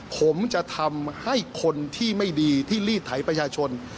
ผมจะทำให้คนที่ไม่ดีที่ลีดไถประชาชน